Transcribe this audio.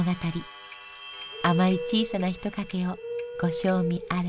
甘い小さな一かけをご賞味あれ。